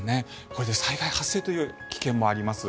これで災害発生という危険もあります。